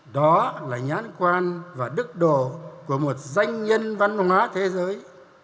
đó là nhãn quan và đức độ của một danh nhân văn hóa thế giới